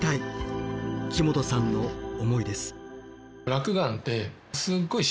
木本さんの思いです。